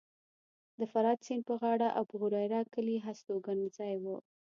د فرات سیند په غاړه د ابوهریره کلی هستوګنځی و